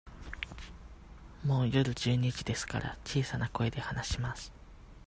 もう夜十二時ですから、小さい声で話します。